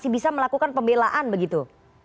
bisa melakukan pembelaan begitu